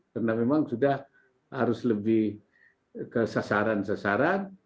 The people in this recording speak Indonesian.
karena memang sudah harus lebih ke sasaran sasaran